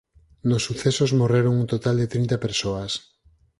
Nos sucesos morreron un total de trinta persoas.